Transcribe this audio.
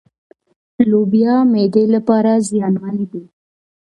لوبيا معدې لپاره زيانمنې دي.